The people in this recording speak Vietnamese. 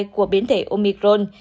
của biến thể omicron